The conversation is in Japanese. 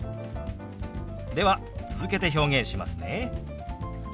では続けて表現しますね。